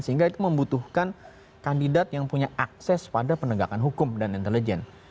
sehingga itu membutuhkan kandidat yang punya akses pada penegakan hukum dan intelijen